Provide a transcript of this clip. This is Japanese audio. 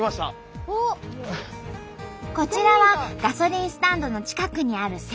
こちらはガソリンスタンドの近くにある精肉店。